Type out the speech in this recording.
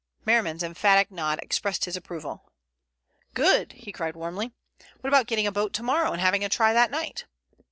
Merriman's emphatic nod expressed his approval. "Good," he cried warmly. "What about getting a boat to morrow and having a try that night?"